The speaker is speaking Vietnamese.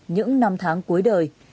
những năm tháng cuối đời